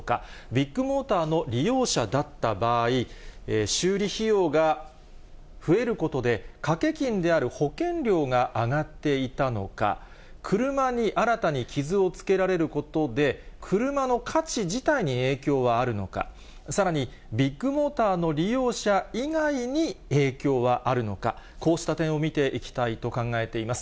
ビッグモーターの利用者だった場合、修理費用が増えることで、掛け金である保険料が上がっていたのか、車に新たに傷をつけられることで、車の価値自体に影響はあるのか、さらにビッグモーターの利用者以外に影響はあるのか、こうした点を見ていきたいと考えています。